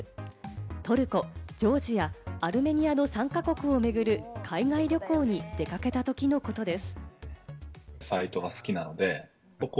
トルコ、ジョージア、アルメニアの３か国を巡る海外旅行に出かけたときのことです。